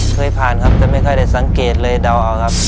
เคยผ่านครับแต่ไม่ค่อยได้สังเกตเลยเดาเอาครับ